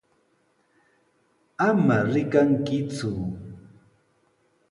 ¡Ama rikankiku!